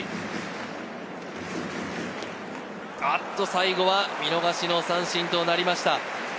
最後は見逃し三振となりました。